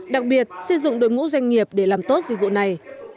đặc biệt xây dựng đội ngũ doanh nghiệp để làm tốt dịch vụ này